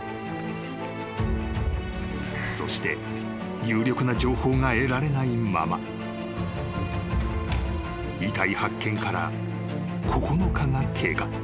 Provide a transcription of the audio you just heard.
［そして有力な情報が得られないまま遺体発見から９日が経過］